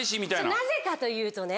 なぜかというとね